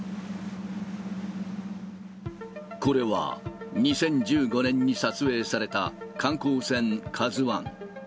これは２０１５年に撮影された観光船カズワン。